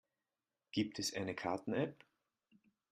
Gibt es eine Karten-App?